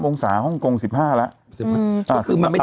๑๓องศาห้องกรง๑๕แล้ว